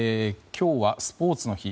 今日はスポーツの日。